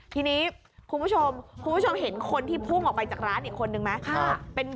ทีนี้คุณผู้ชมคุณผู้ชมเห็นคนที่พุ่งออกไปจากร้านอีกคนนึงไหม